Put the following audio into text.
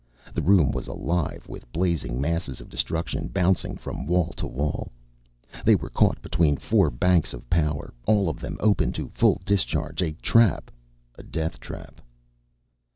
The room was alive with blazing masses of destruction, bouncing from wall to wall. They were caught between four banks of power, all of them open to full discharge. A trap a death trap.